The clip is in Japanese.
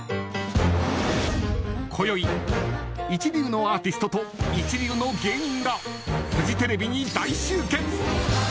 今宵一流のアーティストと一流の芸人がフジテレビに大集結。